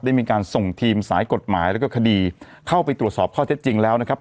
ได้มีการส่งทีมสายกฎหมายแล้วก็คดีเข้าไปตรวจสอบข้อเท็จจริงแล้วนะครับ